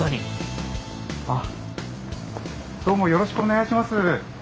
あっどうもよろしくお願いします。